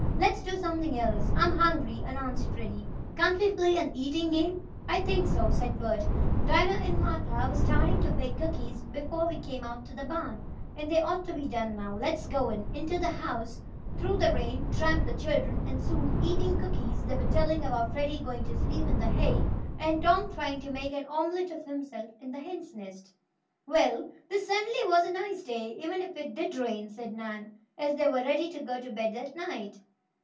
"Let's do something else." "I'm hungry," announced Freddie. "Can't we play an eating game?" "I think so," said Bert. "Dinah and Martha were starting to bake cookies before we came out to the barn, and they ought to be done now. Let's go in." Into the house, through the rain, tramped the children, and soon, eating cookies, they were telling about Freddie going to sleep in the hay, and Tom trying to make an omelet of himself in the hen's nest. "Well, this certainly was a nice day, even if it did rain," said Nan, as they were ready to go to bed that night.